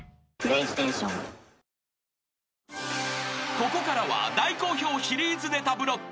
［ここからは大好評シリーズネタブロック］